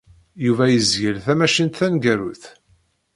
Yuba yezgel tamacint taneggarut.